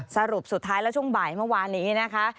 สรุปสุดท้ายแล้วช่วงบ่ายเมื่อวานนี้นะคะ